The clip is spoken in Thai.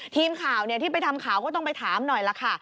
ทีมข่าวที่ไปทำข่าวก็ต้องไปถามหน่อยล่ะค่ะ